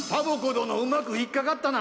どのうまくひっかかったな。